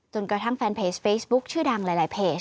จนกระทั่งแฟนเพจเฟซบุ๊คชื่อดังหลายเพจ